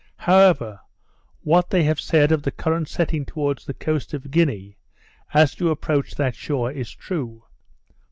However, what they have said of the current setting towards the coast of Guinea, as you approach that shore, is true.